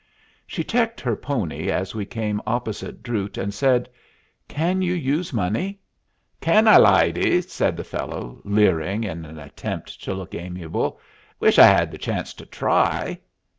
She checked her pony as we came opposite Drute, and said, "Can you use money?" "Can I, lyedy?" said the fellow, leering in an attempt to look amiable. "Wish I had the chance to try."